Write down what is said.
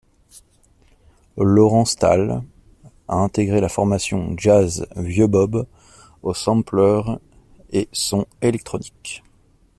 Laurent Stahll a intégré la formation jazz Vieux Bob, aux samplers et sons électroniques.